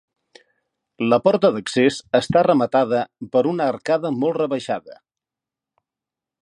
La porta d'accés està rematada per una arcada molt rebaixada.